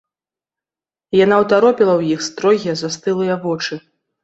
Яна ўтаропіла ў іх строгія застылыя вочы.